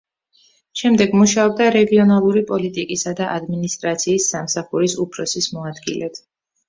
შემდეგ მუშაობდა რეგიონალური პოლიტიკისა და ადმინისტრაციის სამსახურის უფროსის მოადგილედ.